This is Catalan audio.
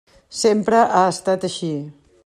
Sempre ha estat així.